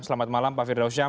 selamat malam pak firdausyam